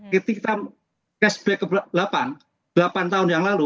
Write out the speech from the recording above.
ketika cashback ke delapan tahun yang lalu